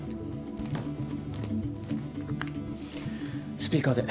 スピーカーで。